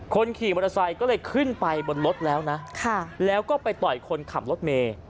คนขี่มอเตอร์ไซค์ก็เลยขึ้นไปบนรถแล้วนะแล้วก็ไปต่อยคนขับรถเมย์